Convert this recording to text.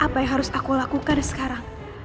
apa yang harus aku lakukan sekarang